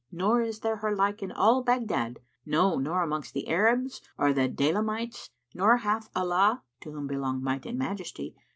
nor is there her like in all Baghdad; no, nor amongst the Arabs or the Daylamites nor hath Allah (to whom belong Might and Majesty!)